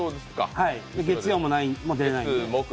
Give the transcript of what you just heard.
月曜も、もう出れないんで。